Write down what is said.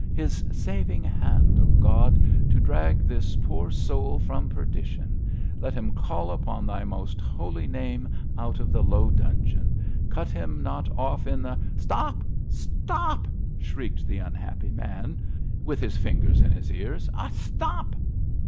'His saving hand, oh God, to drag this poor soul from perdition. Let him call upon Thy most Holy Name out of the low dungeon. Cut him not off in the ' 'Stop! stop!' shrieked the unhappy man, with his fingers in his ears, 'oh, stop!'